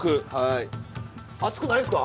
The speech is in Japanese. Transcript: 熱くないんですか？